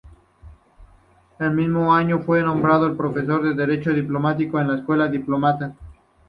En el mismo año fue nombrado profesor de Derecho diplomático en la Escuela Diplomática.